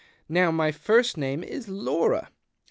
Now my first name is Laura."